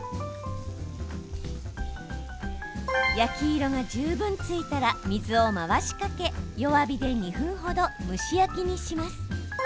焼き色が十分ついたら水を回しかけ弱火で２分ほど蒸し焼きにします。